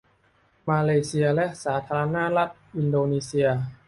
มาเลเซียและสาธารณรัฐอินโดนีเซีย